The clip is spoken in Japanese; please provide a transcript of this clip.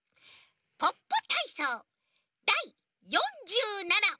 「ポッポたいそうだい４７」